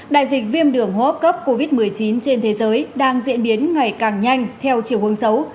đại dịch viêm đường hô hấp cấp covid một mươi chín trên thế giới đang diễn biến ngày càng nhanh theo chiều hướng xấu